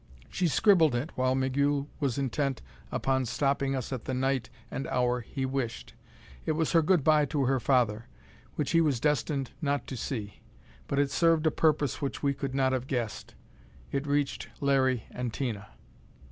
She scribbled it while Migul was intent upon stopping us at the night and hour he wished. It was her good by to her father, which he was destined not to see. But it served a purpose which we could not have guessed: it reached Larry and Tina.